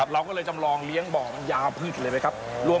เราก็เลยจำลองเลี้ยงบ่อง